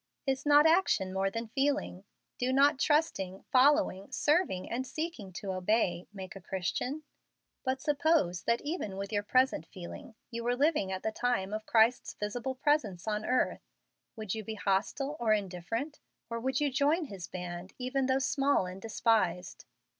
"Is not action more than feeling? Do not trusting, following, serving, and seeking to obey, make a Christian? But suppose that even with your present feeling you were living at the time of Christ's visible presence on earth, would you be hostile or indifferent, or would you join His band even though small and despised?"